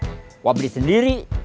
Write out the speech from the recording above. saya beli sendiri